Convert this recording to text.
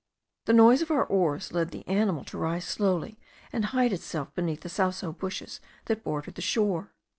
The noise of our oars led the animal to rise slowly, and hide itself behind the sauso bushes that bordered the shore.